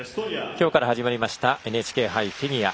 今日から始まりましたＮＨＫ杯フィギュア。